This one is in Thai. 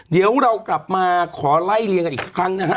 เดี๋ยวเรากลับมาขอไล่เลี่ยงกันอีกสักครั้งนะฮะ